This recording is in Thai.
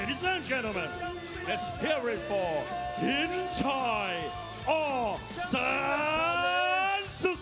ทุกคนทุกคนดูกันกันหินชัยอ่อแซนซุ๊ก